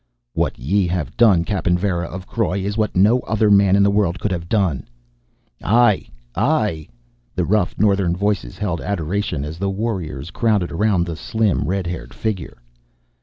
"What ye have done, Cappen Varra of Croy, is what no other man in the world could have done." "Aye aye " The rough northern voices held adoration as the warriors crowded around the slim red haired figure.